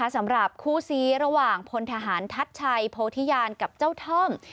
สำหรับคู่ซี้ระหว่างพลทหารทัชชัยโพธิญาณกับเจ้าท่อม